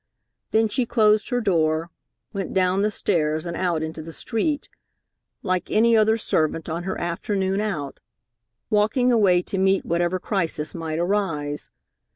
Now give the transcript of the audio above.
Then she closed her door, went down the stairs and out into the street, like any other servant on her afternoon out, walking away to meet whatever crisis might arise.